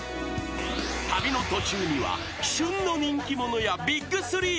［旅の途中には旬の人気者やＢＩＧ３が登場］